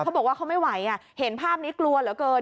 เขาบอกว่าเขาไม่ไหวเห็นภาพนี้กลัวเหลือเกิน